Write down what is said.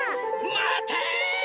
まて！